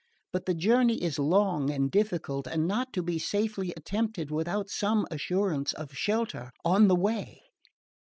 But the journey is long and difficult, and not to be safely attempted without some assurance of shelter on the way."